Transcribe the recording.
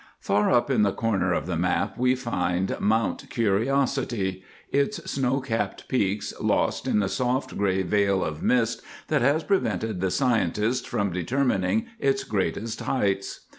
Far up in the corner of the map we find Mount Curiosity—its snow capped peaks lost in the soft gray veil of mist that has prevented the scientists from determining its greatest heights.